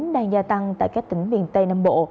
đang gia tăng tại các tỉnh miền tây nam bộ